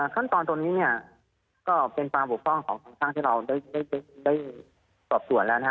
ขั้นตอนตรงนี้ก็เป็นความปกป้องของทางที่เราได้ตอบตรวจแล้ว